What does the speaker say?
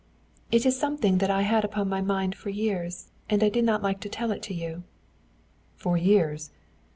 "It is something that I have had upon my mind for years, and I did not like to tell it to you." "For years?"